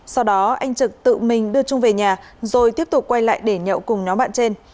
sau đó anh trực tự mình đưa trung về nhà rồi tiếp tục quay lại để nhậu cùng nhóm bạn trên